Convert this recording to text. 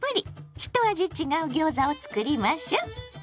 一味違うギョーザを作りましょ。